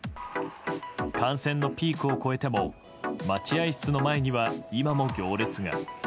感染のピークを超えても待合室の前には今も行列が。